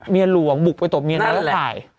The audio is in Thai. เมียหลวงบุกไปตบเมียหลวงแล้วถ่าย